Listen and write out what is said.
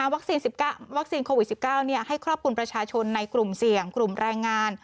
วัคซีนโควิด๑๙ให้ครอบคลุมประชาชนในกลุ่มเสี่ยงกลุ่มแรงงาน